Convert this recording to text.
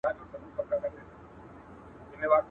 د خوارۍ ژرنده ساتي، د کبره مزد نه اخلي.